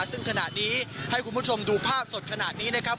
ซึ่งขณะนี้ให้คุณผู้ชมดูภาพสดขนาดนี้นะครับ